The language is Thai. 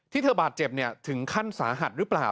เธอบาดเจ็บถึงขั้นสาหัสหรือเปล่า